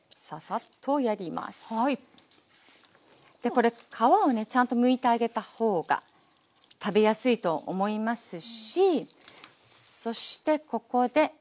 これ皮をねちゃんとむいてあげたほうが食べやすいと思いますしそしてここで。